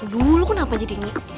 dulu kenapa jadi ini